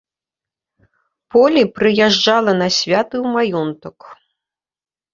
Полі прыязджала на святы ў маёнтак.